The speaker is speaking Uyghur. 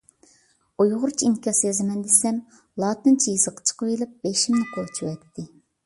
ئۇيغۇرچە ئىنكاس يازىمەن دېسەم، لاتىنچە يېزىق چىقىۋېلىپ بېشىمنى قوچۇۋەتتى.